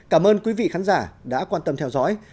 cảm ơn quý vị khán giả đã quan tâm theo dõi